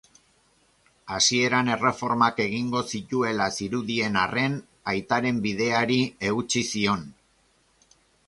Hasieran erreformak egingo zituela zirudien arren, aitaren bideari eutsi zion.